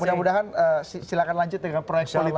mudah mudahan silahkan lanjut dengan proyek politiknya kali ini